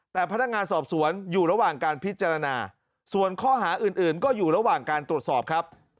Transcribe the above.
แต่พนักงานสอบสวนอยู่ระหว่างการพิจารณาส่วนข้อหาอื่นก็อยู่ระหว่างการตรวจสอบครับ